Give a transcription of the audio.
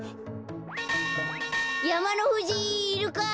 やまのふじいるか？